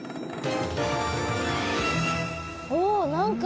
おお！何か。